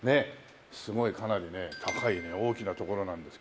すごいかなり高い大きな所なんですけど。